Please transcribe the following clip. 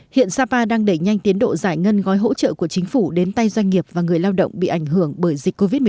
hiện sapa đang đẩy nhanh tiến độ giải ngân gói hỗ trợ của chính phủ đến tay doanh nghiệp và người lao động bị ảnh hưởng